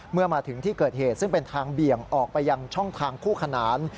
เมื่อมาถึงที่เกิดเหตุซึ่งเป็นทางเบี่ยงออกไปยังช่องทางคู่ขนาน